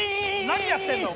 何やってんの？